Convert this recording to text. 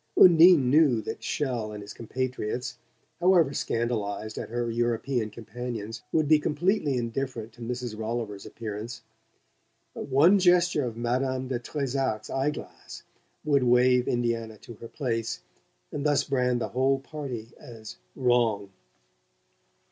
Undine knew that Chelles and his compatriots, however scandalized at her European companions, would be completely indifferent to Mrs. Rolliver's appearance; but one gesture of Madame de Trezac's eye glass would wave Indiana to her place and thus brand the whole party as "wrong."